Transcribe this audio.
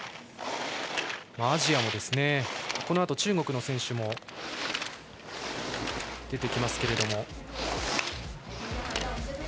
アジアもこのあと中国の選手も出てきますけども。